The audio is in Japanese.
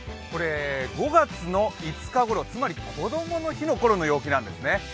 これ５月５日ごろ、つまりこどもの日に頃の陽気なんですね。